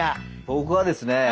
僕はですね